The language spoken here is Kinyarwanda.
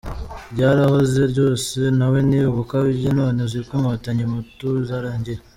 Ryarahoze rwose nawe nti ugakabye none uziko inkotanyi mputu zarangiye?